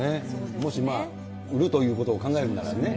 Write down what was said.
もし、売るということを考えるならね。